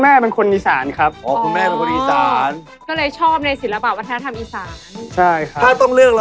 มันเป็นมีนิ่งเรียกฝนอะไรอย่างเนี้ย